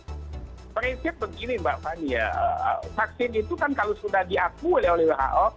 prinsip begini mbak fani ya vaksin itu kan kalau sudah diakui oleh who